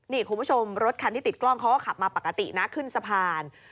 นี่คุณผู้ชมรถคันที่ติดกล้องเขาก็ขับมาปกตินะขึ้นสะพาน